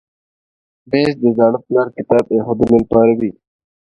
مېز د زاړه پلار کتاب ایښودلو لپاره وي.